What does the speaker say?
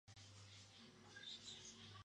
nosotras hemos bebido